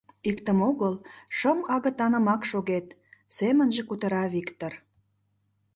— Иктым огыл, шым агытанымак шогет, — семынже кутыра Виктыр.